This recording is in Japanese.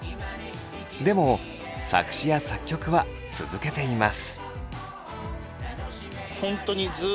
でも作詞や作曲は続けています。